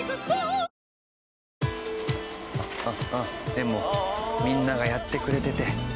でもみんながやってくれてて。